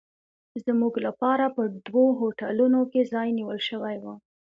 زموږ لپاره په دوو هوټلونو کې ځای نیول شوی و.